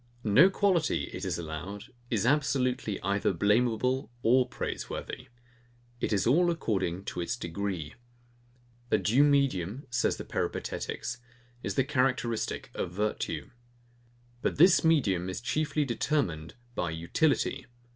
No quality, it is allowed, is absolutely either blameable or praiseworthy. It is all according to its degree. A due medium, says the Peripatetics, is the characteristic of virtue. But this medium is chiefly determined by utility.